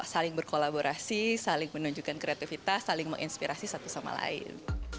saling berkolaborasi saling menunjukkan kreativitas saling menginspirasi satu sama lain